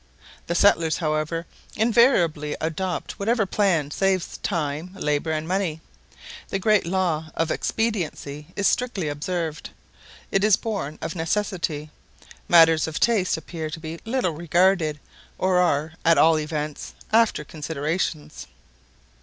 The settlers, however, invariably adopt whatever plan saves time, labour, and money. The great law of expediency is strictly observed; it is borne of necessity. Matters of taste appear to be little regarded, or are, at all events, after considerations.